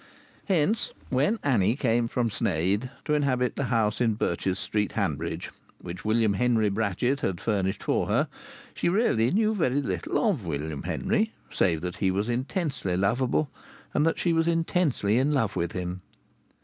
Hence when Annie came from Sneyd to inhabit the house in Birches Street, Hanbridge, which William Henry Brachett had furnished for her, she really knew very little of William Henry save that he was intensely lovable, and that she was intensely in love with him.